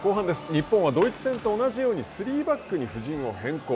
日本は、ドイツ戦と同じようにスリーバックに布陣を変更。